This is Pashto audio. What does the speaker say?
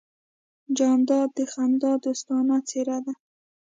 جانداد د خندا دوستانه څېرہ ده.